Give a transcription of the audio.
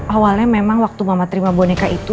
awalnya memang waktu mama terima boneka itu